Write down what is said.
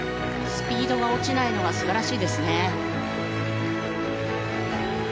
スピードが落ちないのが素晴らしいですね。